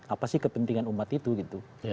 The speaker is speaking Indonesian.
apa sih kepentingan umat itu gitu